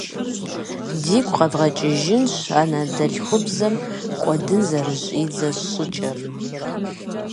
Дигу къэдгъэкӏыжынщ анэдэлъхубзэм кӏуэдын зэрыщӏидзэ щӏыкӏэр.